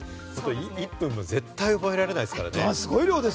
１分も絶対覚えられないですからね。